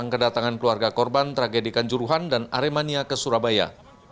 katangan keluarga korban tragedi kanjuruan dan aremania ke surabaya